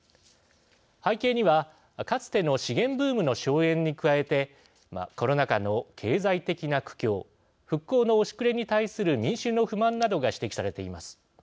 背景には、かつての資源ブームの終えんに加えてコロナ禍の経済的な苦境復興の遅れに対する民衆の不満などが指摘されています。